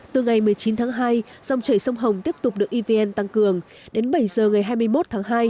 từ ngày một mươi chín tháng hai dòng chảy sông hồng tiếp tục được evn tăng cường đến bảy giờ ngày hai mươi một tháng hai